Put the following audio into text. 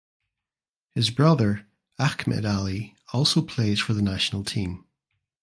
His brother Ahmed Ali also plays for the national team.